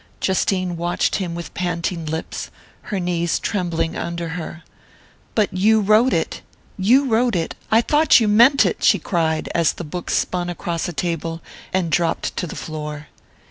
Justine watched him with panting lips, her knees trembling under her. "But you wrote it you wrote it! I thought you meant it!" she cried, as the book spun across a table and dropped to the floor.